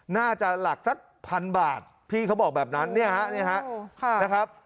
น่าจะหลักสักพันบาทพี่เขาบอกแบบนั้นนี่ครับ